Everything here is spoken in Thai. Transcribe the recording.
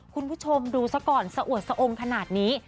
คุณผู้ชมดูซะก่อนสะอวดสะอมขนาดนี้